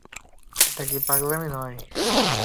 এটা কি পাগলামি নয়?